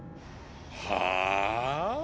はあ？